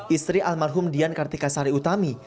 istri almarhum dian kartika sari utami